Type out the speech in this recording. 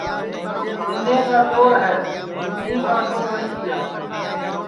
دِؔنیں چور ہے رِپئیں کا چور نائی تِیا